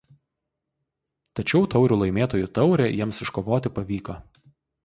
Tačiau Taurių Laimėtojų taurę jiems iškovoti pavyko.